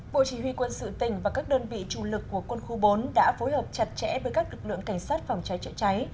bộ chỉ huy quân sự tỉnh và các đơn vị chủ lực của quân khu bốn đã phối hợp chặt chẽ với các lực lượng cảnh sát phòng cháy chữa cháy